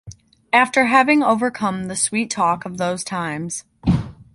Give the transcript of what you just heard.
After having overcome the sweet-talk of those times.